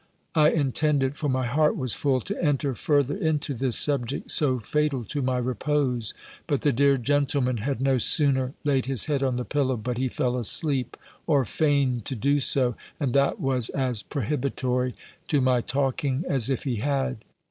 I intended (for my heart was full) to enter further into this subject, so fatal to my repose: but the dear gentleman had no sooner laid his head on the pillow, but he fell asleep, or feigned to do so, and that was as prohibitory to my talking as if he had.